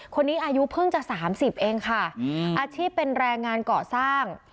อายุเพิ่งจะ๓๐เองค่ะอาชีพเป็นแรงงานก่อสร้าง